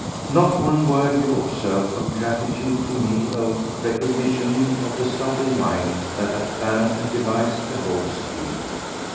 Not one word, you observe, of gratitude to me or of recognition of the subtle mind that had planned and devised the whole scheme.